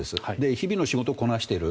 日々の仕事をこなしている。